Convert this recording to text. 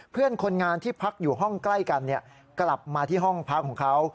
เพื่อนคนงานที่พักอยู่ห้องใกล้กันกลับมาที่ห้องพักของเขา